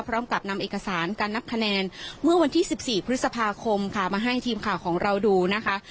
พร้อมกับนำเอกสารการนับคะแนนเมื่อวันที่๑๔พฤษภาคมค่ะมาให้ทีมข่าวของเราดูนะคะ